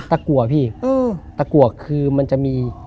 กลัวพี่ตะกัวคือมันจะมี